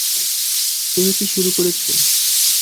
তুমি কি শুরু করেছ?